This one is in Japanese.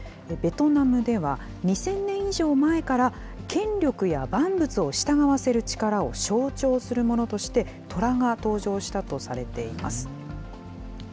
ベトナムでは、２０００年以上前から、権力や万物を従わせる力を象徴するものとして、トラが登場したとされています。